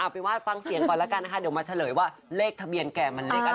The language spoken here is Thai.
ไปว่าฟังเสียงก่อนแล้วกันนะคะเดี๋ยวมาเฉลยว่าเลขทะเบียนแก่มันเลขอะไร